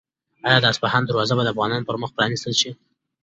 آیا د اصفهان دروازې به د افغانانو پر مخ پرانیستل شي؟